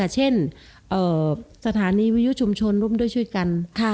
เช่นสถานีวิยุชุมชนร่วมด้วยช่วยกัน